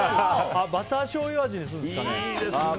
バターしょうゆ味にするのかな？